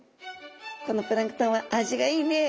「このプランクトンは味がいいねえ」。